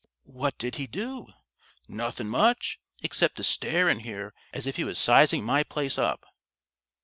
"What did he do?" "Nothing much, except to stare in here as if he was sizing my place up."